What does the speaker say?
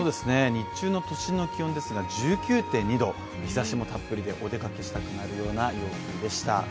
日中の都心の気温ですが１９．２度、日ざしもたっぷりで、お出かけしたくなるような陽気でした。